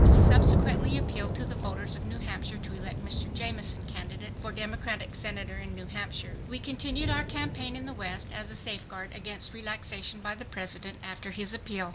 He subsequently appealed to the voters of New Hampshire to elect Mr. Jameson, candidate for Democratic Senator in New Hampshire. We continued our campaign in the West as a safeguard against relaxation by the President after his appeal.